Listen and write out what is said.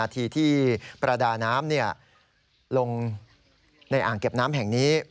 ทีที่ประดาน้ำลงในอ่างเก็บน้ำแห่งนี้